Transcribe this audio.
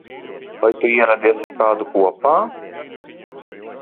Vai tu ieradies ar kādu kopā?